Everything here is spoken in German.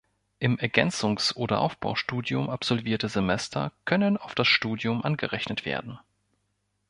Im Ergänzungs- oder Aufbaustudium absolvierte Semester können auf das Studium angerechnet werden.